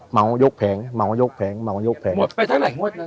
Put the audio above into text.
เหมายกแผงเหมายกแผงเหมายกแผงหมดไปเท่าไหงวดนั้น